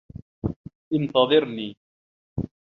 انتظرني.